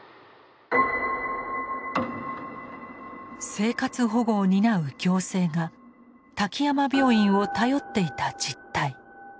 生活保護を担う行政が滝山病院を頼っていた実態。